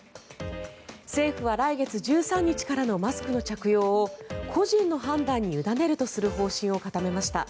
政府は来月１３日からのマスクの着用を個人の判断に委ねるとする方針を固めました。